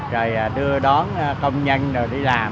rồi đưa đón công nhân đi làm